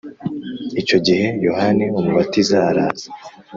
Icyo gihe Yohana Umubatiza araza,